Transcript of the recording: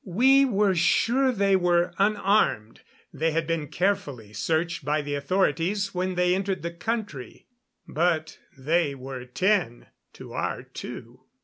We were sure they were unarmed; they had been carefully searched by the authorities when they entered the country. But they were ten to our two.